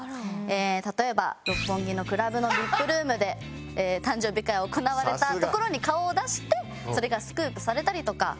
例えば六本木のクラブのＶＩＰルームで誕生日会が行われたところに顔を出してそれがスクープされたりとか。